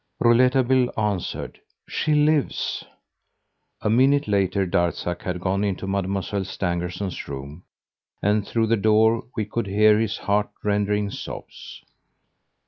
Rouletabille answered: "She lives!" A minute later Darzac had gone into Mademoiselle Stangerson's room and, through the door, we could hear his heart rending sobs.